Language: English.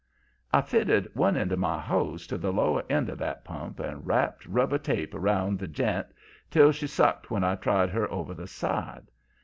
"I fitted one end of my hose to the lower end of that pump and wrapped rubber tape around the j'int till she sucked when I tried her over the side.